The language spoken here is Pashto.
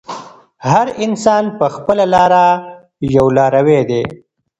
هر انسان په خپله لاره یو لاروی دی.